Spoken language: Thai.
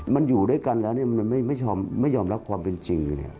มันอยู่ด้วยกันแล้วมันไม่ยอมรับความเป็นจริง